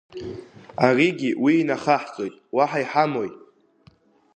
Аригьы уи инахаҳҵоит, уаҳа иҳамои?